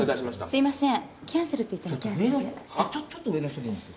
すいません。